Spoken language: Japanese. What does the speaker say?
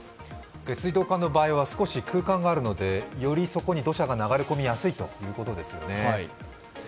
下水道管の場合は少し空間があるので土砂が流れ込みやすいということですね。